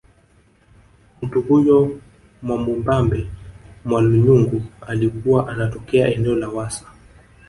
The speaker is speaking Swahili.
Mtu huyo Mwamubambe Mwalunyungu alikuwa anatokea eneo la Wassa